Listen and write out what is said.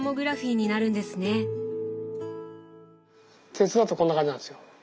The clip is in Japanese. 鉄だとこんな感じなんですよ。